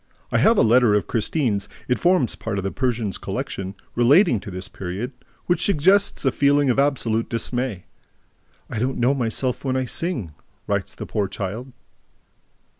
I have a letter of Christine's (it forms part of the Persian's collection), relating to this period, which suggests a feeling of absolute dismay: "I don't know myself when I sing," writes the poor child.